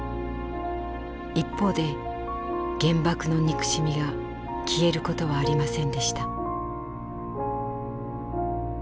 一方で原爆の「憎しみ」が消えることはありませんでした。